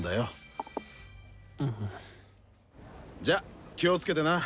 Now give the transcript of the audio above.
じゃ気を付けてな。